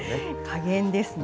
加減ですね。